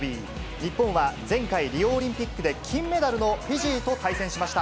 日本は前回、リオオリンピックで金メダルのフィジーと対戦しました。